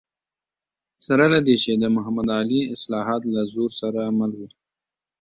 سره له دې چې د محمد علي اصلاحات له زور سره مل و.